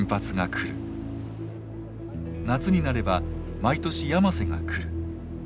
夏になれば毎年ヤマセが来る。